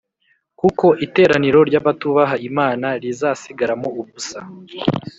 “kuko iteraniro ry’abatubaha imana rizasigaramo ubusa,